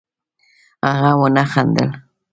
هغه ونه خندل